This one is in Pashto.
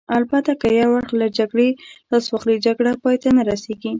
البته که یو اړخ له جګړې لاس واخلي، جګړه پای ته نه رسېږي.